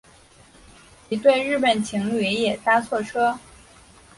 一对日本情侣也搭错车